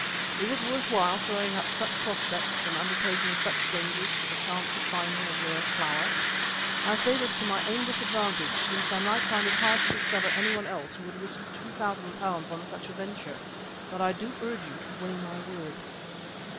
Is it worth while throwing up such prospects and undertaking such dangers for the chance of finding a rare flower? I say this to my own disadvantage, since I might find it hard to discover anyone else who would risk £2,000 upon such a venture, but I do urge you to weigh my words."